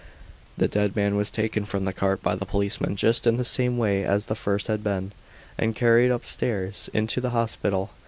The dead man was taken from the cart by the policemen just in the same way as the first had been, and carried upstairs into the hospital.